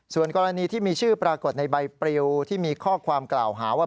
ส่วนกรณีที่มีชื่อปรากฏในใบปริวที่มีข้อความกล่าวหาว่า